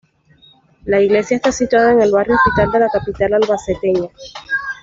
La iglesia está situada en el barrio Hospital de la capital albaceteña.